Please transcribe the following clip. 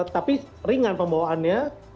tapi ringan pembawaannya